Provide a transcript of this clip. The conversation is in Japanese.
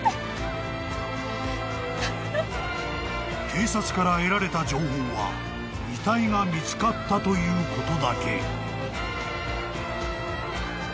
［警察から得られた情報は遺体が見つかったということだけ］